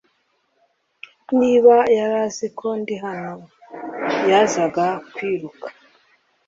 Niba yari azi ko ndi hano yazaga kwiruka